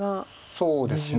そうですね。